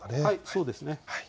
そうですね。